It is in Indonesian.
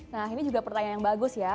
nah ini juga pertanyaan yang bagus ya